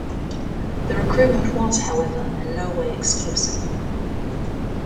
The recruitment was however in no way exclusive.